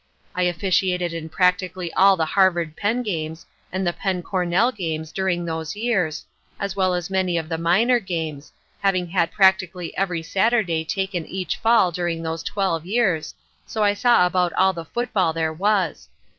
I officiated in practically all the Harvard Penn' games and Penn' Cornell games during those years, as well as many of the minor games, having had practically every Saturday taken each fall during those twelve years, so I saw about all the football there was.